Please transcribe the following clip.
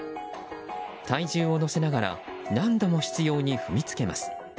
体重を乗せながら何度も執拗に踏みつけます。